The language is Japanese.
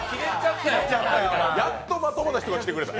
やっとまともな人が来てくれた。